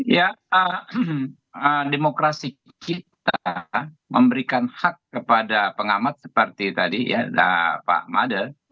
ya demokrasi kita memberikan hak kepada pengamat seperti tadi ya pak made